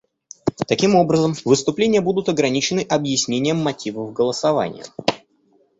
Таким образом, выступления будут ограничены объяснением мотивов голосования.